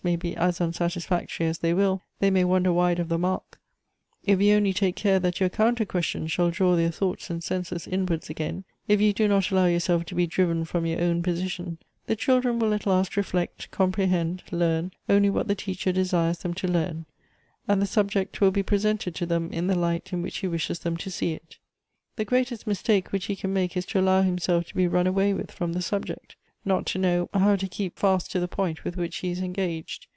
ay be as unsatisfactory as they will, they may wander wide of the mark; if you only take care that your counter question shall draw their thoughts and senses inwards again ; if you do not allow yourself to be driven from your own position — the children will at last reflect, comi)rehend, learn only what the teacher desires them to learn, and the subject will be presented to them in the light in which he wishes them to see it. The greatest mistake which he can make is to allow himself to be run .away with from the subject ; not to know how to keep fast to the point with which he is engaged.